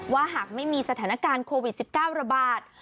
หากไม่มีสถานการณ์โควิด๑๙ระบาด